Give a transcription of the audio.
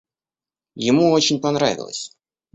Ему очень понравилось.